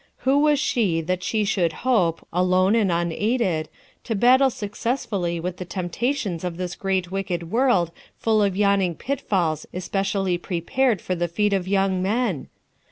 Who was she that she should hope, alone and unaided, to battle successfully with the temptations of this great wicked world full of yawning pitfalls especially prepared for the feet of young men?